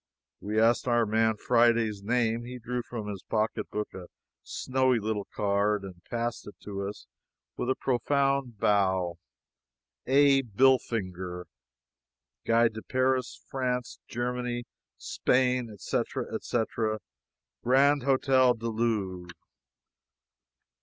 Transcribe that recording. We asked our man Friday's name. He drew from his pocketbook a snowy little card and passed it to us with a profound bow: A. BILLFINGER, Guide to Paris, France, Germany, Spain, &c., &c. Grande Hotel du Louvre.